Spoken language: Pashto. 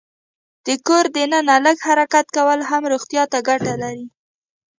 د کور دننه لږ حرکت کول هم روغتیا ته ګټه لري.